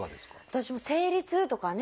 私も「生理痛」とかね